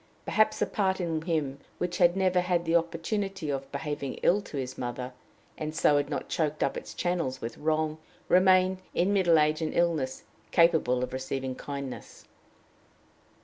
Perhaps the part in him which had never had the opportunity of behaving ill to his mother, and so had not choked up its channels with wrong, remained, in middle age and illness, capable of receiving kindness.